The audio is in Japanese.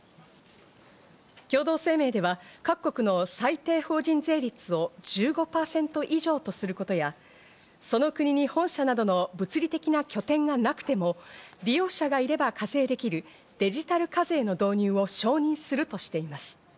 共同声明では各国の最低法人税率を１５％以上とすることや、その国に本社などの物理的な拠点がなくても利用者がいれば課税できるデジタル課税の導入を承認するとしています。